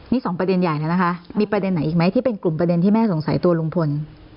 นี่สองประเด็นใหญ่แล้วนะคะมีประเด็นไหนอีกไหมที่เป็นกลุ่มประเด็นที่แม่สงสัยตัวลุงพล